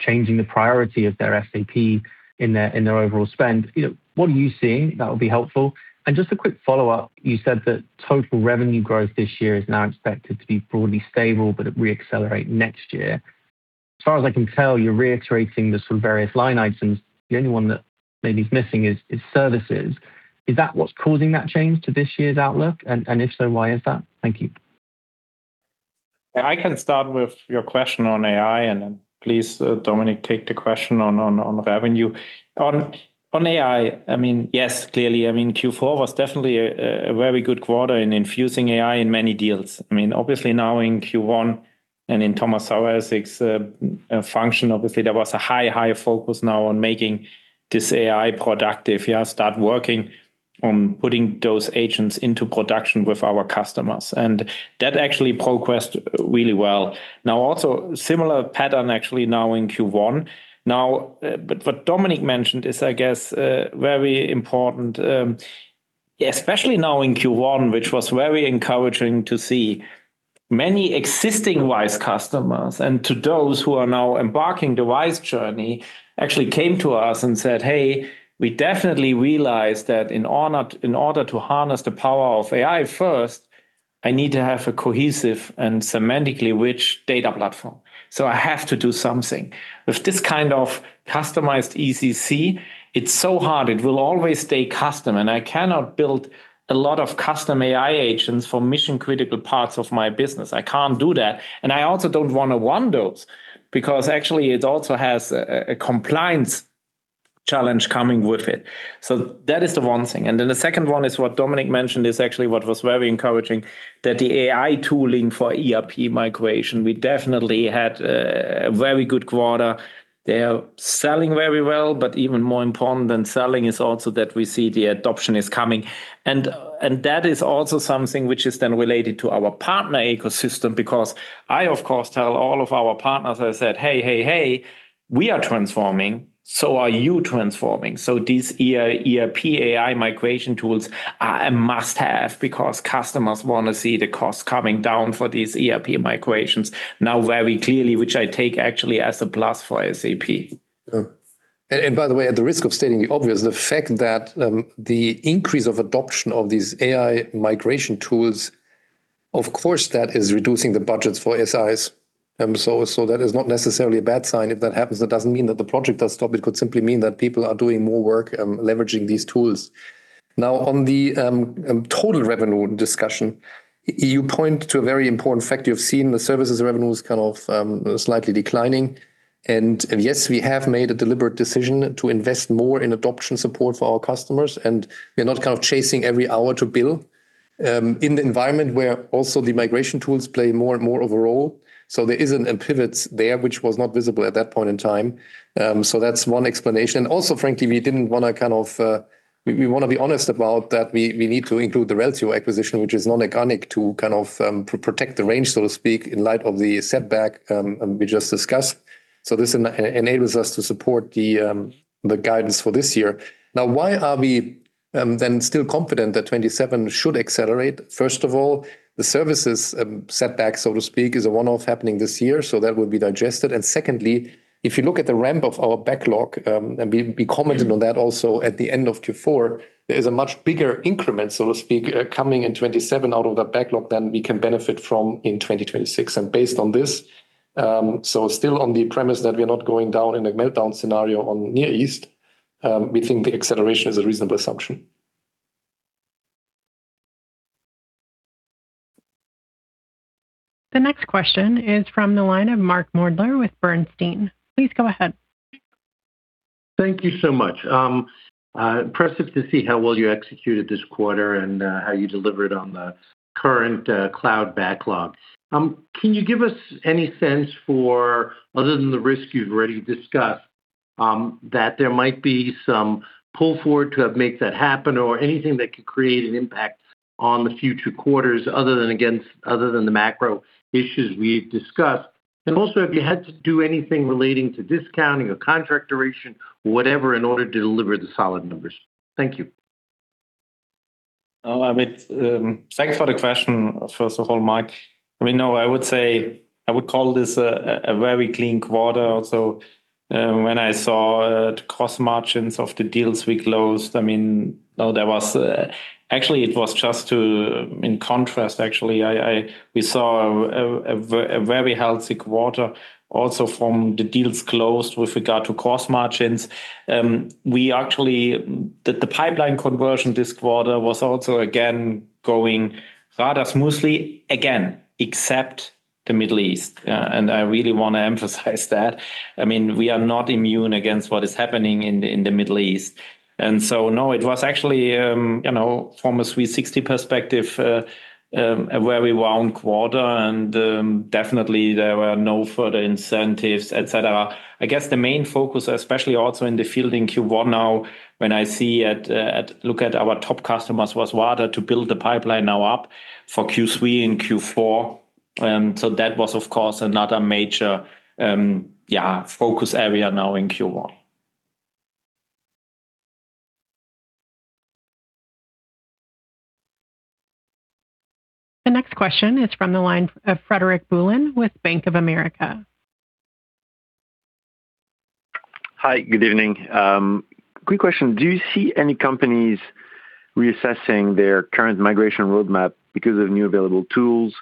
changing the priority of their SAP in their overall spend. What are you seeing that would be helpful? Just a quick follow-up, you said that total revenue growth this year is now expected to be broadly stable, but it re-accelerate next year. As far as I can tell, you're reiterating the sort of various line items. The only one that maybe is missing is services. Is that what's causing that change to this year's outlook? If so, why is that? Thank you. I can start with your question on AI, and then please, Dominik, take the question on revenue. On AI, yes, clearly, Q4 was definitely a very good quarter in infusing AI in many deals. Obviously now in Q1 and in Thomas Saueressig's function, obviously, there was a high focus now on making this AI productive, start working on putting those agents into production with our customers. That actually progressed really well. Now, also similar pattern actually now in Q1. Now, what Dominik mentioned is, I guess, very important, especially now in Q1, which was very encouraging to see many existing RISE customers and to those who are now embarking the RISE journey, actually came to us and said, "Hey, we definitely realize that in order to harness the power of AI, first, I need to have a cohesive and semantically rich data platform. I have to do something. With this kind of customized ECC, it's so hard. It will always stay custom, and I cannot build a lot of custom AI agents for mission-critical parts of my business. I can't do that, and I also don't want to run those because actually it also has a compliance challenge coming with it. That is the one thing. Then the second one is what Dominik mentioned is actually what was very encouraging, that the AI tooling for ERP migration, we definitely had a very good quarter. They are selling very well, but even more important than selling is also that we see the adoption is coming. That is also something which is then related to our partner ecosystem because I, of course, tell all of our partners, I said, "Hey, we are transforming, so are you transforming." These ERP AI migration tools are a must-have because customers want to see the cost coming down for these ERP migrations now very clearly, which I take actually as a plus for SAP. By the way, at the risk of stating the obvious, the fact that the increase of adoption of these AI migration tools, of course, that is reducing the budgets for SIs. That is not necessarily a bad sign. If that happens, that doesn't mean that the project does stop. It could simply mean that people are doing more work leveraging these tools. Now on the total revenue discussion, you point to a very important fact. You've seen the services revenues kind of slightly declining. Yes, we have made a deliberate decision to invest more in adoption support for our customers, and we're not kind of chasing every hour to bill, in the environment where also the migration tools play more and more of a role. There is a pivot there, which was not visible at that point in time. That's one explanation. Frankly, we want to be honest about that we need to include the Reltio acquisition, which is non-organic, to kind of protect the range, so to speak, in light of the setback we just discussed. This enables us to support the guidance for this year. Now why are we then still confident that 2027 should accelerate? First of all, the services setback, so to speak, is a one-off happening this year, so that will be digested. Secondly, if you look at the ramp of our backlog, and we commented on that also at the end of Q4, there is a much bigger increment, so to speak, coming in 2027 out of that backlog than we can benefit from in 2026. Based on this, so still on the premise that we are not going down in a meltdown scenario on Near East, we think the acceleration is a reasonable assumption. The next question is from the line of Mark Moerdler with Bernstein. Please go ahead. Thank you so much. Impressive to see how well you executed this quarter and how you delivered on the current cloud backlog. Can you give us any sense for, other than the risks you've already discussed, that there might be some pull forward to make that happen or anything that could create an impact on the future quarters other than the macro issues we've discussed? Also, have you had to do anything relating to discounting or contract duration, whatever, in order to deliver the solid numbers? Thank you. Thanks for the question, first of all, Mark. No, I would call this a very clean quarter. Also, when I saw the cost margins of the deals we closed, actually it was just in contrast. We saw a very healthy quarter also from the deals closed with regard to cost margins. The pipeline conversion this quarter was also, again, going rather smoothly, again, except the Middle East. I really want to emphasize that. We are not immune against what is happening in the Middle East. No, it was actually, from a Business Suite perspective, a very well quarter. Definitely there were no further incentives, et cetera. I guess the main focus, especially also in the field in Q1 now, when I look at our top customers, was rather to build the pipeline now up for Q3 and Q4. That was, of course, another major focus area now in Q1. The next question is from the line of Frederic Boulan with Bank of America. Hi, good evening. Quick question. Do you see any companies reassessing their current migration roadmap because of new available tools,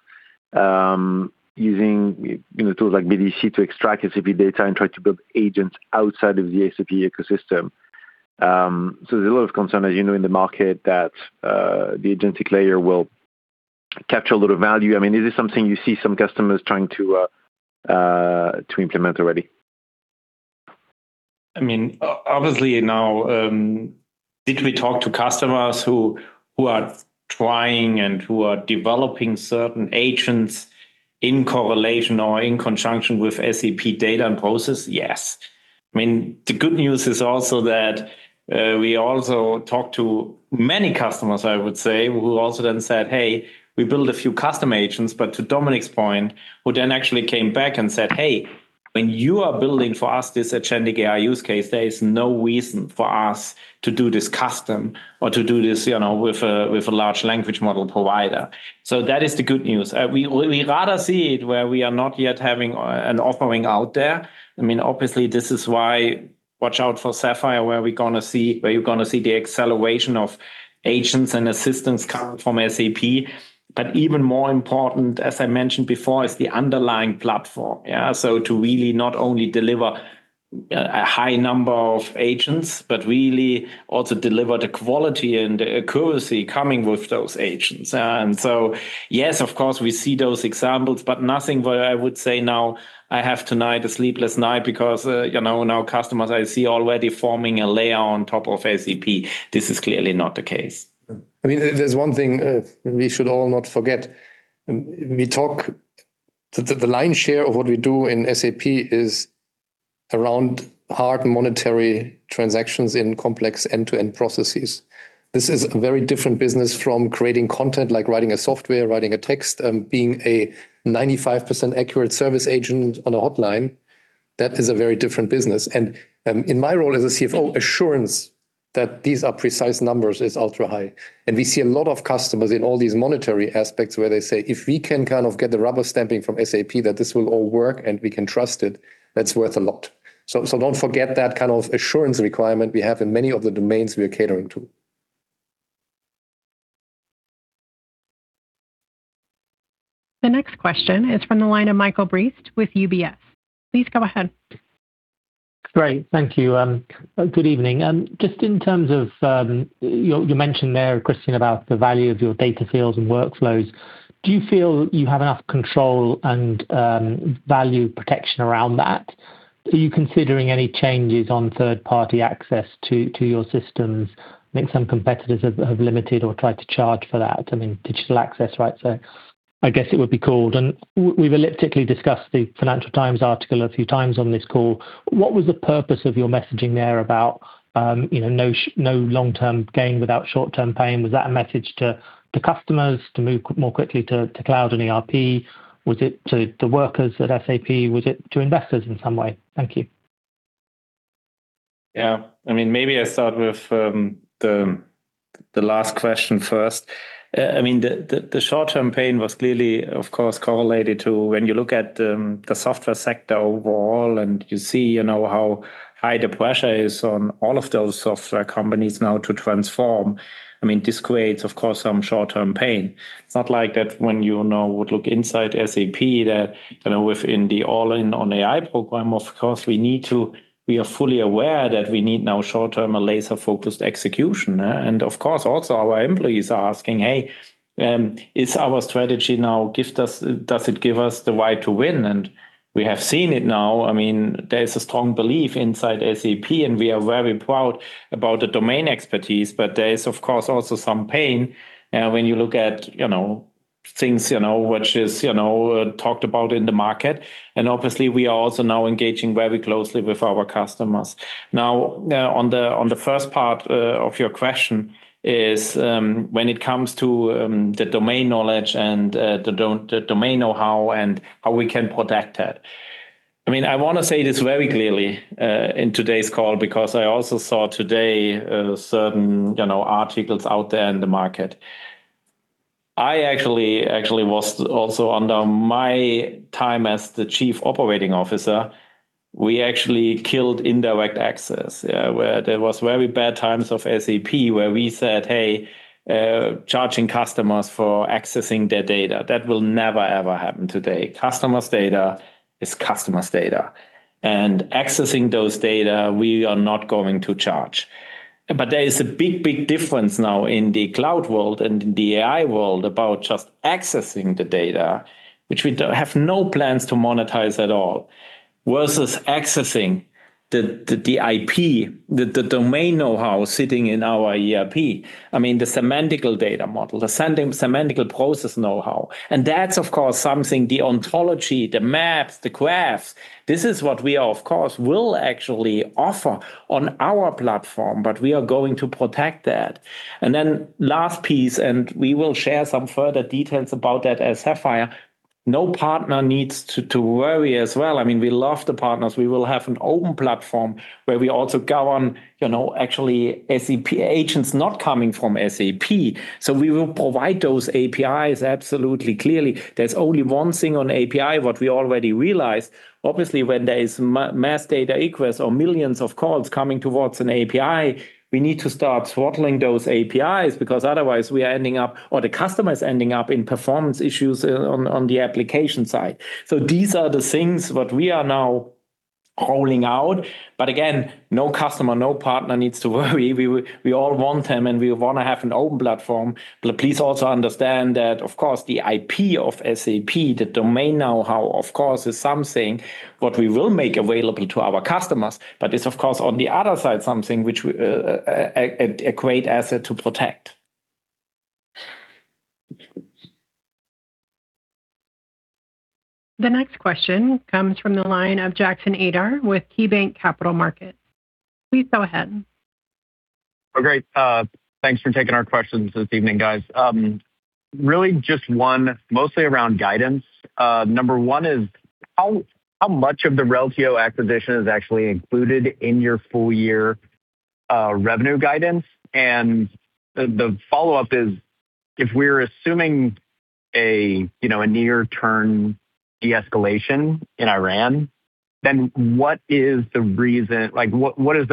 using tools like BDC to extract SAP data and try to build agents outside of the SAP ecosystem? There's a lot of concern, as you know, in the market that the agentic layer will capture a lot of value. Is this something you see some customers trying to implement already? Obviously now, did we talk to customers who are trying and who are developing certain agents in correlation or in conjunction with SAP data and process? Yes. The good news is also that we also talked to many customers, I would say, who also then said, "Hey, we built a few custom agents," but to Dominik's point, who then actually came back and said, "Hey, when you are building for us this agentic AI use case, there is no reason for us to do this custom or to do this with a large language model provider." That is the good news. We rather see it where we are not yet having an offering out there. Obviously, this is why watch out for SAP Sapphire, where you're going to see the acceleration of agents and assistants coming from SAP. Even more important, as I mentioned before, is the underlying platform. Yeah, to really not only deliver a high number of agents, but really also deliver the quality and the accuracy coming with those agents. Yes, of course, we see those examples, but nothing where I would say now I have a sleepless night tonight because now customers I see already forming a layer on top of SAP. This is clearly not the case. There's one thing we should all not forget. The lion's share of what we do in SAP is around hard monetary transactions in complex end-to-end processes. This is a very different business from creating content, like writing a software, writing a text, and being a 95% accurate service agent on a hotline. That is a very different business. In my role as a CFO, assurance that these are precise numbers is ultra high. We see a lot of customers in all these monetary aspects where they say, "If we can kind of get the rubber stamping from SAP that this will all work and we can trust it, that's worth a lot." Don't forget that kind of assurance requirement we have in many of the domains we are catering to. The next question is from the line of Michael Briest with UBS. Please go ahead. Great. Thank you. Good evening. Just in terms of, you mentioned there, Christian, about the value of your data fields and workflows. Do you feel you have enough control and value protection around that? Are you considering any changes on third-party access to your systems? I think some competitors have limited or tried to charge for that, digital access rights, I guess it would be called. We've elliptically discussed the "Financial Times" article a few times on this call. What was the purpose of your messaging there about no long-term gain without short-term pain? Was that a message to customers to move more quickly to cloud and ERP? Was it to the workers at SAP? Was it to investors in some way? Thank you. Yeah. Maybe I start with the last question first. The short-term pain was clearly, of course, correlated to when you look at the software sector overall, and you see how high the pressure is on all of those software companies now to transform. This creates, of course, some short-term pain. It's not like that when you now would look inside SAP that within the All-in on AI program, of course, we are fully aware that we need now short-term a laser-focused execution. Of course, also our employees are asking, "Hey, is our strategy now, does it give us the right to win?" We have seen it now. There's a strong belief inside SAP, and we are very proud about the domain expertise, but there is, of course, also some pain when you look at things which is talked about in the market. Obviously, we are also now engaging very closely with our customers. Now, on the first part of your question is when it comes to the domain knowledge and the domain knowhow and how we can protect it. I want to say this very clearly in today's call, because I also saw today certain articles out there in the market. I actually was also under my time as the Chief Operating Officer, we actually killed indirect access. Where there was very bad times of SAP where we said, "Hey, charging customers for accessing their data, that will never, ever happen today. Customer's data is customer's data, and accessing those data, we are not going to charge." There is a big difference now in the cloud world and in the AI world about just accessing the data, which we have no plans to monetize at all, versus accessing the IP, the domain knowhow sitting in our ERP. I mean, the semantic data model, the semantic process knowhow. That's, of course, something, the ontology, the maps, the graphs, this is what we of course will actually offer on our platform. We are going to protect that. Then last piece, we will share some further details about that at Sapphire, no partner needs to worry as well. I mean, we love the partners. We will have an open platform where we also go on actually SAP agents not coming from SAP. We will provide those APIs, absolutely, clearly. There's only one thing on API that we already realized. Obviously, when there is mass data requests or millions of calls coming towards an API, we need to start throttling those APIs, because otherwise we are ending up, or the customer is ending up, in performance issues on the application side. These are the things what we are now rolling out. Again, no customer, no partner needs to worry. We all want them, and we want to have an open platform. Please also understand that, of course, the IP of SAP, the domain knowhow, of course, is something what we will make available to our customers. But it's, of course, on the other side, something which a great asset to protect. The next question comes from the line of Jackson Ader with KeyBank Capital Markets. Please go ahead. Oh, great. Thanks for taking our questions this evening, guys. Really just one mostly around guidance. Number one is how much of the Reltio acquisition is actually included in your full year revenue guidance? The follow-up is, if we're assuming a near term de-escalation in Iran, then what is the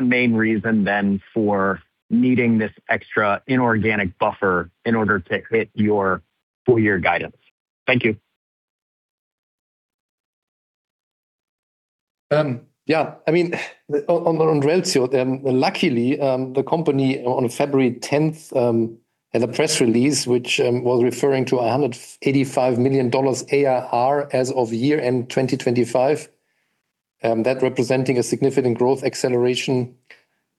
main reason then for needing this extra inorganic buffer in order to hit your full year revenue guidance? Thank you. Yeah. I mean, on Reltio, luckily, the company on February 10th had a press release which was referring to $185 million ARR as of year-end 2025, that representing a significant growth acceleration.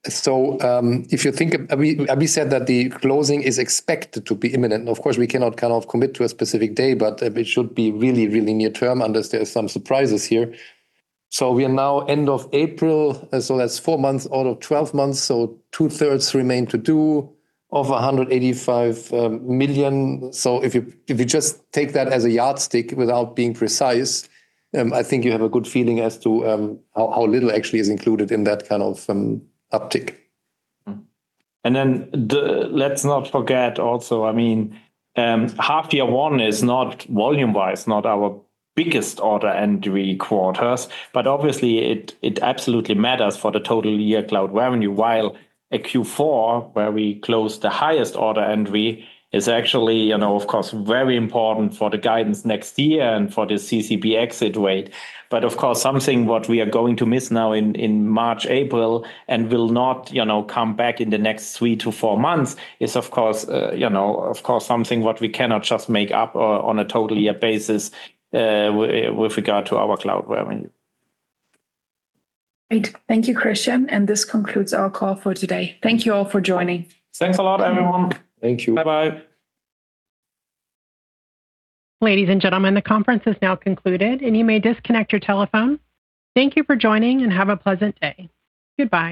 If you think, we said that the closing is expected to be imminent. Of course, we cannot commit to a specific day, but it should be really near term, unless there are some surprises here. We are now end of April, so that's four months out of 12 months, so two-thirds remain to do of 185 million. If you just take that as a yardstick without being precise, I think you have a good feeling as to how little actually is included in that kind of uptick. Let's not forget also, I mean, half year one is volume wise, not our biggest order entry quarters, but obviously it absolutely matters for the total year cloud revenue, while a Q4, where we close the highest order entry, is actually of course very important for the guidance next year and for the CCB exit rate. of course, something what we are going to miss now in March, April, and will not come back in the next three to four months is of course something what we cannot just make up on a total year basis with regard to our cloud revenue. Great. Thank you, Christian. This concludes our call for today. Thank you all for joining. Thanks a lot, everyone. Thank you. Bye-bye. Ladies and gentlemen, the conference is now concluded, and you may disconnect your telephone. Thank you for joining, and have a pleasant day. Goodbye.